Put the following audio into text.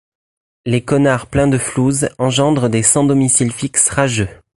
Les connards pleins de flouze engendrent des sans domicile fixe rageux.